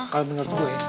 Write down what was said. kalo menurut gue